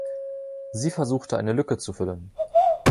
Sie versuchte, eine Lücke zu füllen.